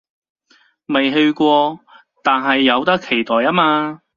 未去過，但係有得期待吖嘛